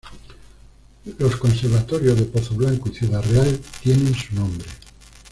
Los conservatorios de Pozoblanco y Ciudad Real tienen su nombre.